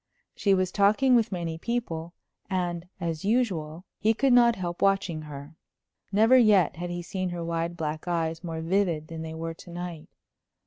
She was talking with many people, and, as usual, he could not help watching her. Never yet had he seen her wide, black eyes more vivid than they were to night.